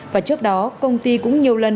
và trước đó công ty cũng nhiều lần